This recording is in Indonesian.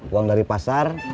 uang dari pasar